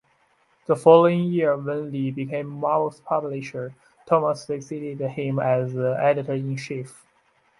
The following year, when Lee became Marvel's publisher, Thomas succeeded him as editor-in-chief.